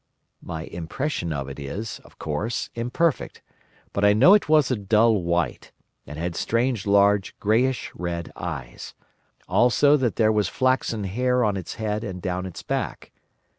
"My impression of it is, of course, imperfect; but I know it was a dull white, and had strange large greyish red eyes; also that there was flaxen hair on its head and down its back.